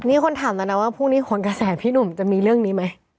นี่คนถามแล้วนะว่าพรุ่งนี้คนกระแสพี่หนุ่มจะมีเรื่องนี้ไหม